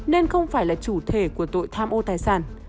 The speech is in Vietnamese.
nên không phải là chủ thể của tội tham ô tài sản